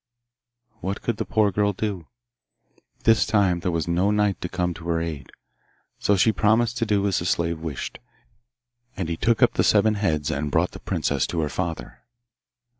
What could the poor girl do? This time there was no knight to come to her aid. So she promised to do as the slave wished, and he took up the seven heads and brought the princess to her father.